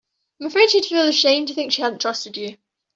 I'm afraid she'd feel ashamed to think she hadn't trusted you.